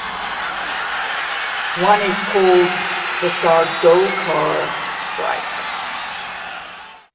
One is called The Sardaukar Strike!